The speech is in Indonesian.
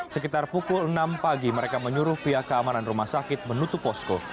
sekitar pukul enam pagi mereka menyuruh pihak keamanan rumah sakit menutup posko